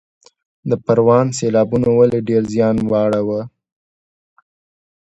د پروان سیلابونو ولې ډیر زیان واړوه؟